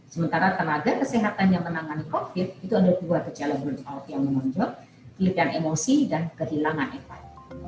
sementara tenaga kesehatan yang menangani covid itu ada dua gejala burnout yang menonjol pilihan emosi dan kehilangan efek